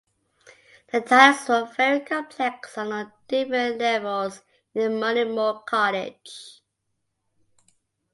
The tunnels were very complex and on different levels in Moneymore Cottage.